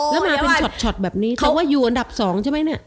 แล้วมันจะเป็นช็อตแบบนี้แต่ว่าอยู่อันดับ๒ใช่ไหมเนี่ย